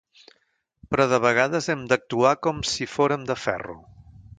Però de vegades hem d'actuar com si fórem de ferro.